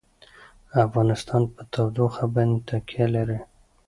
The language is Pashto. افغانستان په تودوخه باندې تکیه لري.